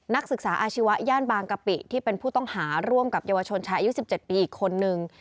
นักศึกษาอาชีวะย่านบางกะปิที่เป็นผู้ต้องหาร่วมกับเยาวชนชายอายุ๑๗ปีอีกคนนึง